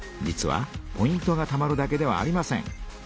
実はポイントがたまるだけではありません。